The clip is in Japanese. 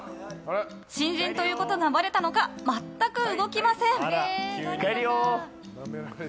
新人ということがばれたのか全く動きません。